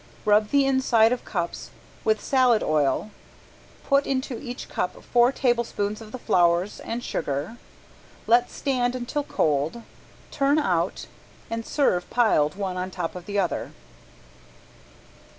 Rub the inside of cups with salad oil, put into each cup four tablespoonfuls of the flowers and sugar, let stand until cold, turn out, and serve piled one on top of the other.